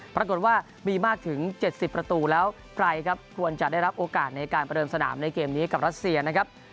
ปรากฏว่ามีมากถึง๗๐ประตูแล้วใครครับควรจะได้รับโอกาสในการประเดิมสนามในเกมนี้กับรัสเซียนะครับ